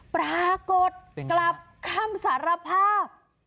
ปรากฏกลับคำสารภาพ